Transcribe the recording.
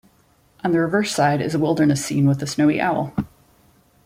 On the reverse side is a wilderness scene with a snowy owl.